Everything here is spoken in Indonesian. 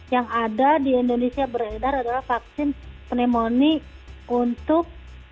yang ada di indonesia beredar adalah vaksin pneumonia untuk